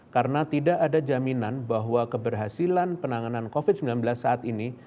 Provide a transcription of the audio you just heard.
karena tidak ada jaminan bahwa keberhasilan penanganan covid sembilan belas saat ini